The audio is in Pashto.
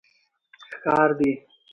ښکار دي